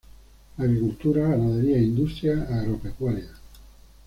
Agricultura, ganadería e industria agropecuaria.